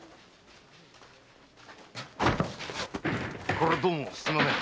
これはどうもすみません。